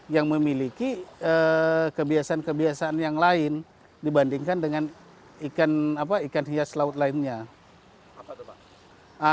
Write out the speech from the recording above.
yang memiliki kebiasaan kebiasaan yang lain dibandingkan dengan ikan hias laut lainnya